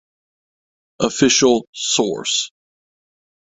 Official Source